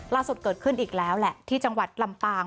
ล่าสุดเกิดขึ้นอีกแล้วแหละที่จังหวัดลำปาง